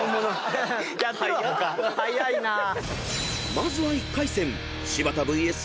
［まずは１回戦］